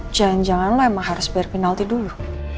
jangan jangan lo emang harus bayar penalti dulu